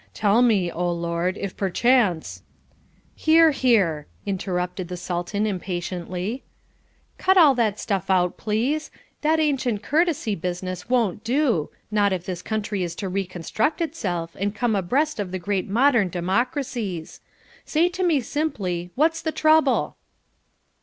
Tell me, O Lord, if perchance " "Here, here," interrupted the Sultan impatiently, "cut all that stuff out, please. That ancient courtesy business won't do, not if this country is to reconstruct itself and come abreast of the great modern democracies. Say to me simply 'What's the trouble?"'